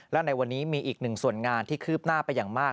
และในวันนี้มีอีกหนึ่งส่วนงานที่คืบหน้าไปอย่างมาก